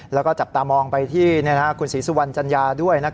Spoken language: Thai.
แล้วก็จับตามองไปที่คุณศรีสุวรรณจัญญาด้วย